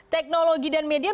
teknologi dan media